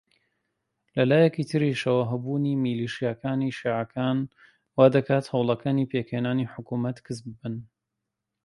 لە لایەکی تریشەوە هەبوونی میلیشیاکانی شیعەکان وا دەکات هەوڵەکانی پێکهێنانی حکوومەت کز ببن